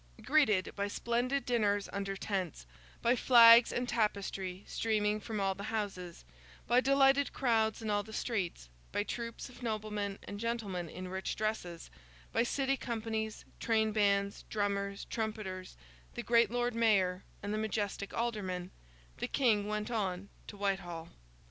Greeted by splendid dinners under tents, by flags and tapestry streaming from all the houses, by delighted crowds in all the streets, by troops of noblemen and gentlemen in rich dresses, by City companies, train bands, drummers, trumpeters, the great Lord Mayor, and the majestic Aldermen, the King went on to Whitehall.